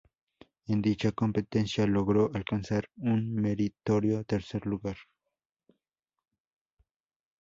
En dicha competencia, logró alcanzar un meritorio tercer lugar.